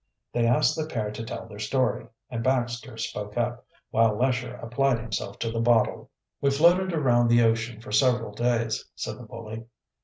They asked the pair to tell their story, and Baxter spoke up, while Lesher applied himself to the bottle. "We floated around the ocean for several days," said the bully.